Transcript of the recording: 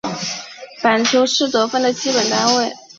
板球是得分的基本单位。